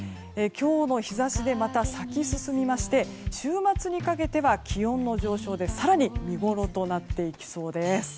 今日の日差しでまた咲き進みまして週末にかけては気温の上昇で更に見ごろになりそうです。